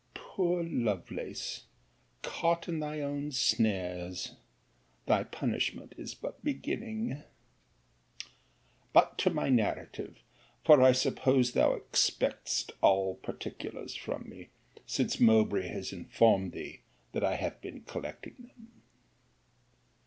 —Poor Lovelace! caught in thy own snares! thy punishment is but beginning. But to my narrative: for I suppose thou expectest all particulars from me, since Mowbray has informed thee that I have been collecting them.